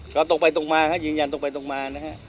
ก็ตกไปตกมาครับยืนยันตกไปตกมานะฮะ